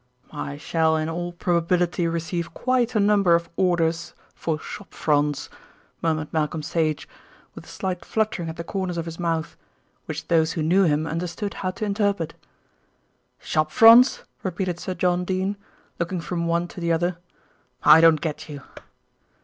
"I shall in all probability receive quite a number of orders for shop fronts," murmured Malcolm Sage, with a slight fluttering at the corners of his mouth, which those who knew him understood how to interpret. "Shop fronts!" repeated Sir John Dene, looking from one to the other, "I don't get you."